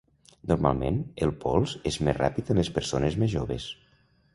Normalment, el pols és més ràpid en les persones més joves.